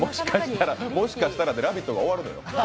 もしかしたらで「ラヴィット！」が終わるのよ。